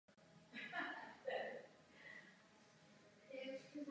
V osmi letech poté začal hrát i na kytaru.